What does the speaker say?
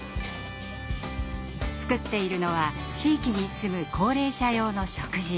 作っているのは地域に住む高齢者用の食事。